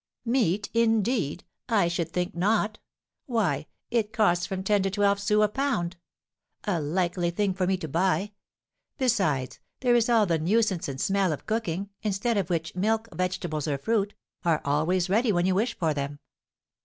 "Meat, indeed! I should think not. Why, it costs from ten to twelve sous a pound! A likely thing for me to buy! Besides, there is all the nuisance and smell of cooking; instead of which, milk, vegetables, or fruit, are always ready when you wish for them.